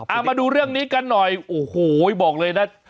เอามาดูเรื่องนี้กันหน่อยโอ้โหบอกเลยนะ